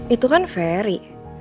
itu kan feri